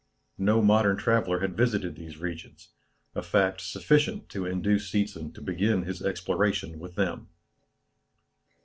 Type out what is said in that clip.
No modern traveller had visited these regions, a fact sufficient to induce Seetzen to begin his exploration with them.